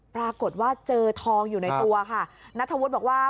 ปรากฏว่าเจอทองอยู่ในตัวค่ะนัทธวุฒิบอกว่า